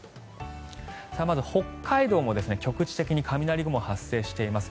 まず北海道も局地的に雷雲が発生しています。